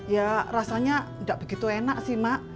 ya rasanya nggak begitu enak sih mak